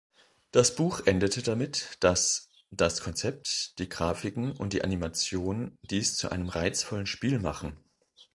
Das Buch endete damit, dass „das Konzept, die Grafiken und die Animation dies zu einem reizvollen Spiel machen“.